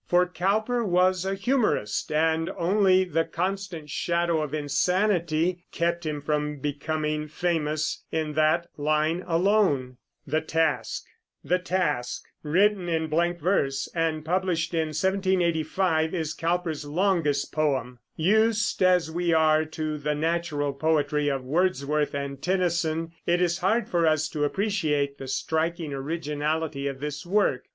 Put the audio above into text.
For Cowper was a humorist, and only the constant shadow of insanity kept him from becoming famous in that line alone. The Task, written in blank verse, and published in 1785, is Cowper's longest poem. Used as we are to the natural poetry of Wordsworth and Tennyson, it is hard for us to appreciate the striking originality of this work.